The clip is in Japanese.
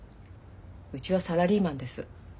うちはサラリーマンです。